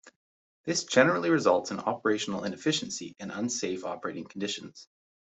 This generally results in operational inefficiency and unsafe operating conditions.